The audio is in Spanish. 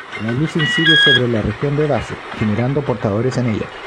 La luz incide sobre la región de base, generando portadores en ella.